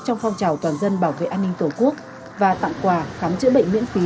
trong phong trào toàn dân bảo vệ an ninh tổ quốc và tặng quà khám chữa bệnh miễn phí